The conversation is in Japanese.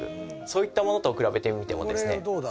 そういったものと比べてみてもですね